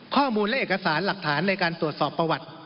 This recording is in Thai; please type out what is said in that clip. ข้อมูลและเอกสารหลักฐานในการตรวจสอบประวัติ